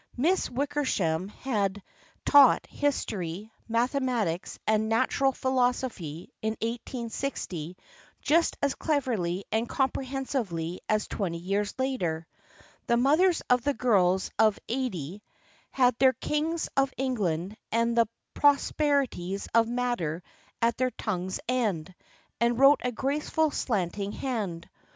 Miss Wickersham had THE FRIENDSHIP OF ANNE 23 taught history, mathematics and natural philos ophy in 1860 just as cleverly and comprehensively as twenty years later. The mothers of the girls of '80 had their Kings of England and the Proper ties of Matter at their tongue's end, and wrote a graceful slanting hand.